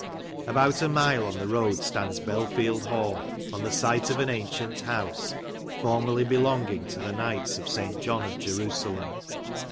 About a mile on the road stands Belfield Hall, on the site of an ancient house, formerly belonging to the Knights of St. John of Jerusalem.